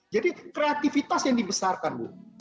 jadi kreativitas yang dibesarkan